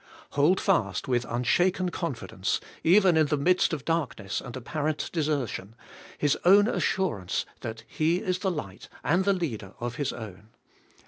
Hold fast with unshaken confidence, even in the midst of darkness and apparent desertion. His own assurance that He is the light and the leader of His own.